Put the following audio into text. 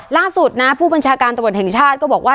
ล่าสุดนะผู้บัญชาการตำรวจแห่งชาติก็บอกว่า